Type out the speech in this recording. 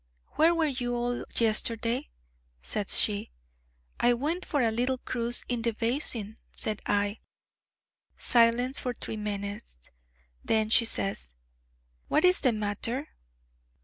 'Where were you all yesterday?' says she. 'I went for a little cruise in the basin,' said I. Silence for three minutes: then she says: 'What is the matter?'